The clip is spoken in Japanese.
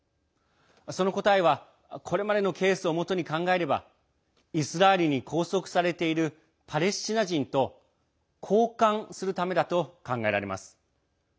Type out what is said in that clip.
その答えは、これまでのケースをもとに考えればイスラエルに拘束されているパレスチナ人と交換するためだと考えられます。